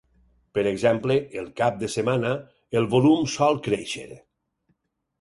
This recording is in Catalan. Per exemple, el cap de setmana el volum sol créixer.